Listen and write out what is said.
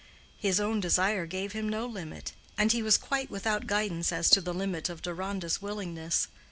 His own desire gave him no limit, and he was quite without guidance as to the limit of Deronda's willingness.